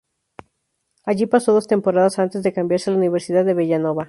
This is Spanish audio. Allí pasó dos temporadas antes de cambiarse a la Universidad de Villanova.